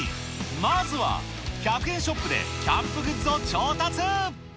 まずは、１００円ショップでキャンプグッズを調達。